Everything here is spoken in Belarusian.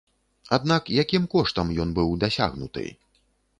Аднак якім коштам ён быў дасягнуты?